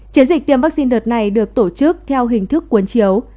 chiến dịch tiêm vaccine đợt này được tổ chức theo hình thức cuốn chiếu